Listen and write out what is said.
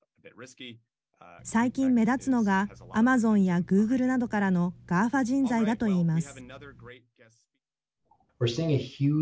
最近目立つのがアマゾンやグーグルなどからのＧＡＦＡ人材だと言います。